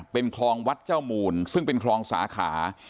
เป็นคลองวัดเจ้ามูลซึ่งเป็นคลองสาขา